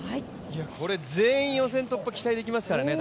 これ全員予選突破が期待できますからね。